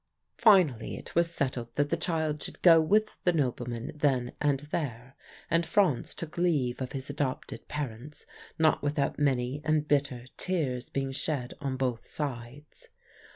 "Finally it was settled that the child should go with the nobleman then and there; and Franz took leave of his adopted parents, not without many and bitter tears being shed on both sides.